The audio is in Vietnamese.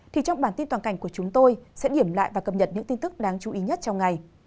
thì trong bản tin toàn cảnh của chúng tôi sẽ điểm lại và cập nhật những tin tức đáng chú ý nhất trong ngày